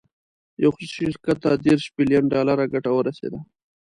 یو خصوصي شرکت ته دېرش بیلین ډالر ګټه ورسېده.